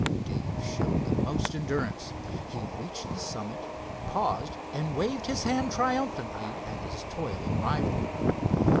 Dave showed the most endurance. He reached the summit, paused and waved his hand triumphantly at his toiling rival.